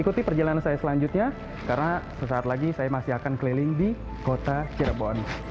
ikuti perjalanan saya selanjutnya karena sesaat lagi saya masih akan keliling di kota cirebon